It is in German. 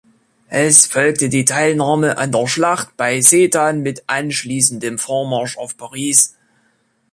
Es folgte die Teilnahme an der Schlacht bei Sedan mit anschließendem Vormarsch auf Paris.